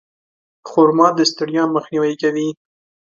خرما د ستړیا مخنیوی کوي.